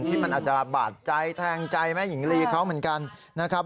ที่มันอาจจะบาดใจแทงใจแม่หญิงลีเขาเหมือนกันนะครับ